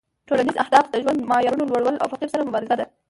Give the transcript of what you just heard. ټولنیز اهداف د ژوند معیارونو لوړول او فقر سره مبارزه ده